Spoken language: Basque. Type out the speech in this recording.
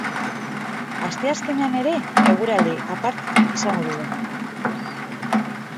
Asteazkenean ere eguraldi aparta izango dugu.